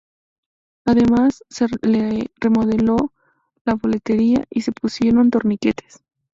Además se le remodeló la boletería y se pusieron torniquetes.